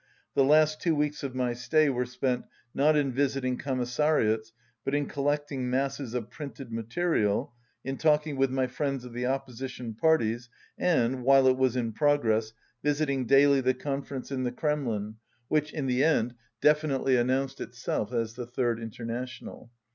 The last two weeks of my stay were spent, not in visiting Commissariats, but in collecting masses of printed material, in talking with my friends of the opposition parties, and, while it was in progress, visiting daily the Confer ence in the Kremlin which, in the end, definitely 192 announced itself as the Third International.